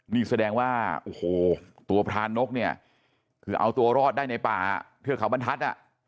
นี่แสดงว่าโอ้โหตัวพระนกเนี่ยคือเอาตัวรอดได้ในป่าเทือกเขาบรรทัศน์